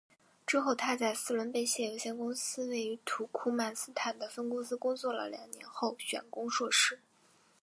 之后她在斯伦贝谢有限公司位于土库曼斯坦的分公司工作了两年后选攻硕士。